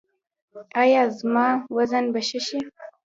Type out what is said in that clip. ایا زما وزن به ښه شي؟